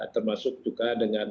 termasuk juga dengan